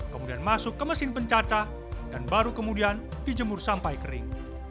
kemudian masuk ke mesin pencaca dan baru kemudian dijemur sampai kering